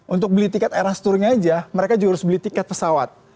untuk beli tiket eras tournya aja mereka juga harus beli tiket pesawat